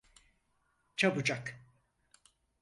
Çabucak.